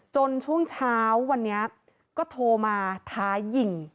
ช่วงเช้าวันนี้ก็โทรมาท้ายิง